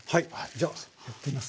じゃあやってみます。